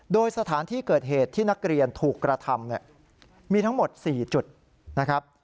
โดยสถานที่เกิดเหตุที่นักเรียนถูกกระทำเนี่ยมีทั้งหมด๔จุดนะครับ